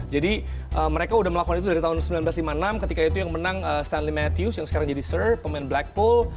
jadi mereka udah melakukan itu dari tahun seribu sembilan ratus lima puluh enam ketika itu yang menang stanley matthews yang sekarang jadi sir pemain blackpool